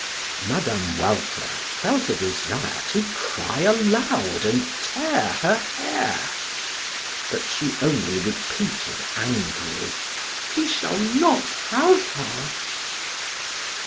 Mme. Walter felt a desire to cry aloud and tear her hair. But she only repeated angrily: "He shall not have her!"